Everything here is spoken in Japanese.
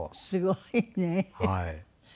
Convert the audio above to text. すごいね。